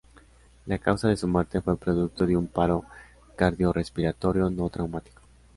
La causa de su muerte fue producto de un paro cardiorrespiratorio no traumático.